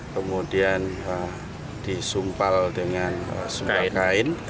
kemudian disumpal dengan kain